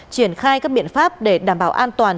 triển khai các biện pháp để đảm bảo an toàn